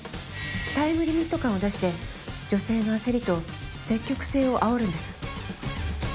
タイムリミット感を出して女性の焦りと積極性をあおるんです